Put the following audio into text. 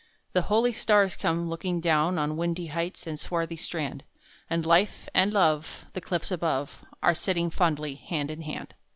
The holy stars come looking down On windy heights and swarthy strand, And Life and Love The cliffs above Are sitting fondly hand in hand.